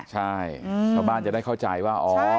ใช่ชาวบ้านจะได้เข้าใจว่าอ๋อ